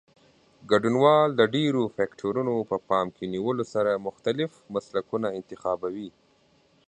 ګډونوال د ډېرو فکټورونو په پام کې نیولو سره مختلف مسلکونه انتخابوي.